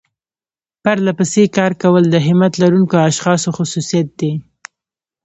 پرلپسې کار کول د همت لرونکو اشخاصو خصوصيت دی.